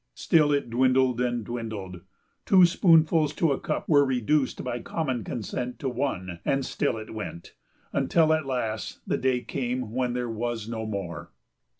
Still it dwindled and dwindled. Two spoonfuls to a cup were reduced by common consent to one, and still it went, until at last the day came when there was no more.